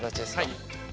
はい。